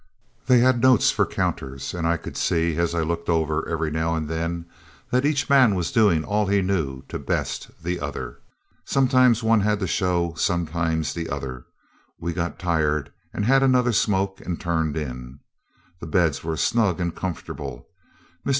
They had notes for counters, and I could see, as I looked over every now and then, that each man was doing all he knew to best the other. Sometimes one had the show; sometimes the other. We got tired and had another smoke and turned in. The beds were snug and comfortable. Mr.